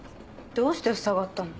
どうしてふさがったの？